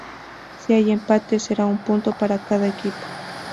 Si hay empate, será un punto para cada equipo.